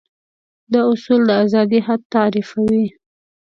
دا اصول د ازادي حد تعريفوي.